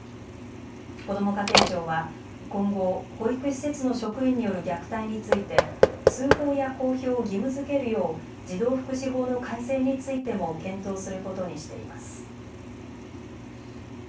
こども家庭庁は今後、保育施設の職員による虐待について通報や公表を義務づけるよう児童福祉法の改正についても検討することにしています。